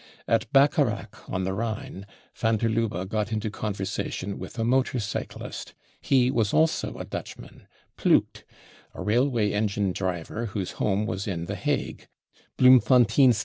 At Bacharach on the Rhine van der Lubbe got into conversa tion with a motor cyclist ; he was also a Dutchman, Ploegk, a raikvay engine driver whose home was in the Hague, Bloemfontcenstr.